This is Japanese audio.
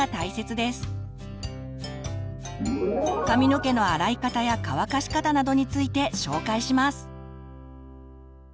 髪の毛の洗い方や乾かし方などについて紹介します。